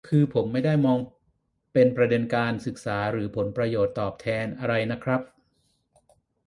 คือผมไม่ได้มองเป็นประเด็นการศึกษาหรือผลประโยชน์ตอบแทนอะไรน่ะครับ